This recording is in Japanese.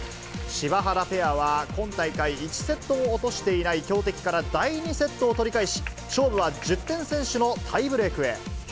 柴原ペアは、今大会１セットも落としていない強敵から第２セットを取り返し、勝負は１０点先取のタイブレークへ。